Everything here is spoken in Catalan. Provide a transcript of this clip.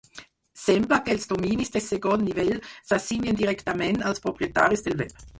Sembla que els dominis de segon nivell s'assignen directament als propietaris del web.